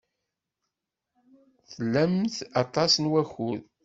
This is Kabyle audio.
Tlamt aṭas n wakud.